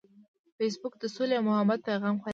فېسبوک د سولې او محبت پیغام خپروي